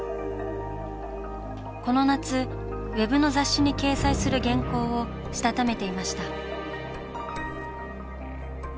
この夏ウェブの雑誌に掲載する原稿をしたためていました。